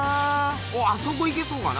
おっあそこ行けそうかな。